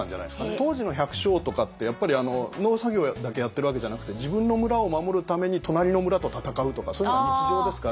当時の百姓とかってやっぱり農作業だけやってるわけじゃなくて自分の村を守るために隣の村と戦うとかそういうのが日常ですから。